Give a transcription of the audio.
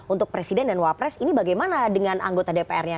untuk presiden dan wapres ini bagaimana dengan anggota dprnya